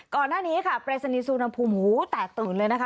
ก่อนหน้านี้เปรสนิสุนภูมิแตกตื่นเลยนะคะ